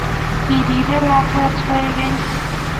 kirireei lakwet koek keny